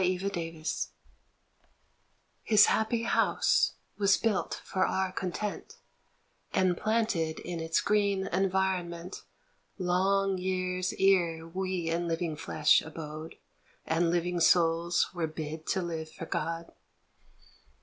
B Ifoome HIS happy house was built for our content And planted in its green environment Long* years ere we in living flesh abode And living souls were bid to live for God.